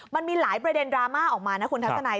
มันมีหลายประเด็นดราม่าออกมานะคุณทัศนัย